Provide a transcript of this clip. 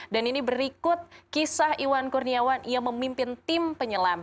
dan ini berikut kisah iwan kurniawan yang memimpin tim penyelam